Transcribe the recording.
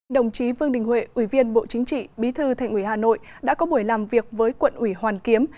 đồng chí vương đình huệ ủy viên bộ chính trị bí thư thành ủy hà nội đã có buổi làm việc với quận ủy hoàn kiếm